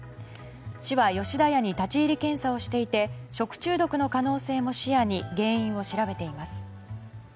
市は吉田屋に立ち入り検査をしていて食中毒の可能性も視野に原因を調べています。